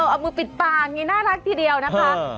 เอามือปิดปากอย่างนี้น่ารักทีเดียวนะคะ